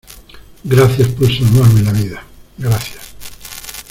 gracias por salvarme la vida, gracias.